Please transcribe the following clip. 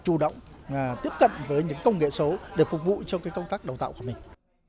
chủ động tiếp cận với những công nghệ số để phục vụ cho công tác đào tạo của mình